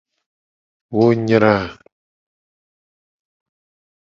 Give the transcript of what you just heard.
Wo nyra.